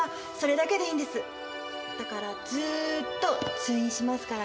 だからずーっと通院しますからね。